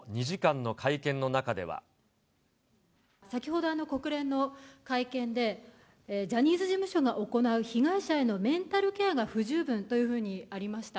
先ほど、国連の会見で、ジャニーズ事務所が行う被害者へのメンタルケアが不十分というふうにありました。